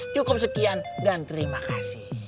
cukup sekian dan terima kasih